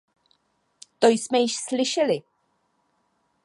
To jsme již slyšeli.